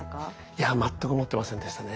いや全く思ってませんでしたね。